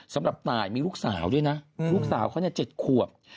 สำหรับตายมีลูกสาวด้วยนะลูกสาวเขา๗ขวบ